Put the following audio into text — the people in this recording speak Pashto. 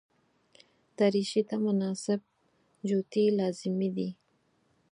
دریشي ته مناسب جوتي لازمي دي.